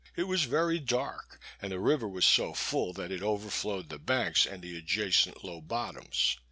It was very dark, and the river was so full that it overflowed the banks and the adjacent low bottoms.